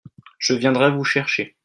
Je viendrai vous chercher.